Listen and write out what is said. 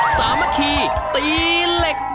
สามัคคีตีเหล็ก